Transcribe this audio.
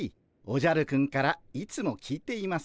おじゃるくんからいつも聞いています。